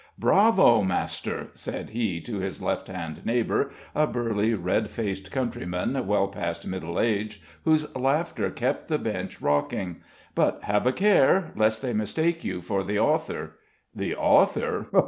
"Bravo, master!" said he to his left hand neighbour a burly, red faced countryman well past middle age, whose laughter kept the bench rocking. "But have a care, lest they mistake you for the author!" "The author?